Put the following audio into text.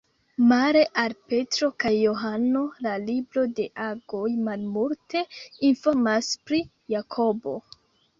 Male al Petro kaj Johano, la libro de Agoj malmulte informas pri Jakobo.